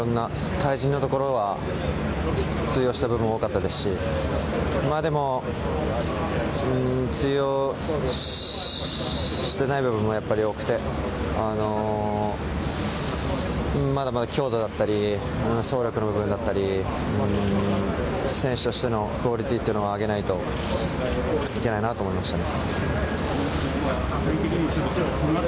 対人のところは通用したところが多かったですし通用していない部分も多くてまだまだ強度だったり走力の部分だったり選手としてのクオリティーを上げないといけないなと思いましたね。